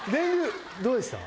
どうでした？